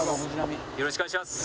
よろしくお願いします。